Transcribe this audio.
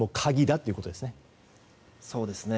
そうですね。